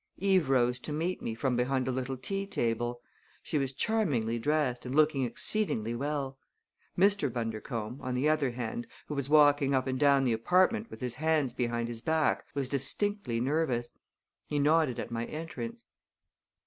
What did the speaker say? Eve rose to meet me from behind a little tea table. She was charmingly dressed and looking exceedingly well. Mr. Bundercombe, on the other hand, who was walking up and down the apartment with his hands behind his back, was distinctly nervous. He nodded at my entrance.